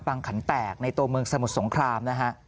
ขันแตกในตัวเมืองสมุทรสงครามนะฮะ